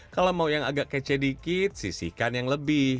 kalau mau yang agak kece dikit sisihkan yang lebih